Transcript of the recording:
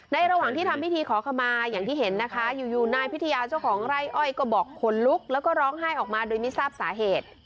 ระหว่างที่ทำพิธีขอขมาอย่างที่เห็นนะคะอยู่นายพิทยาเจ้าของไร่อ้อยก็บอกขนลุกแล้วก็ร้องไห้ออกมาโดยไม่ทราบสาเหตุ